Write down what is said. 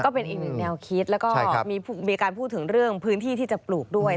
เป็นอีกหนึ่งแนวคิดแล้วก็มีการพูดถึงเรื่องพื้นที่ที่จะปลูกด้วย